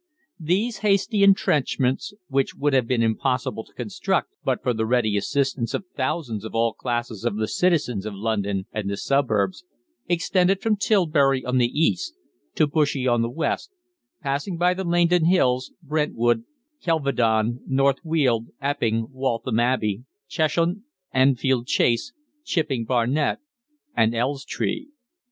These hasty entrenchments, which would have been impossible to construct but for the ready assistance of thousands of all classes of the citizens of London and the suburbs, extended from Tilbury on the east to Bushey on the west, passing by the Laindon Hills, Brentwood, Kelvedon, North Weald, Epping, Waltham Abbey, Cheshunt, Enfield Chase, Chipping Barnet, and Elstree.